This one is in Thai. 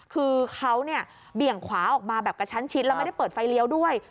คือเขาเนี่ยเบี่ยงขวาออกมาแบบกระชั้นชิดแล้วไม่ได้เปิดไฟเลี้ยวด้วย